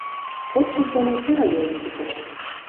Кодшыж дене чарайолым пӱтырале.